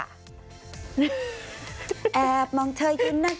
เปลี่ยนเรื่อง